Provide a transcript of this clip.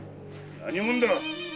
何者だ。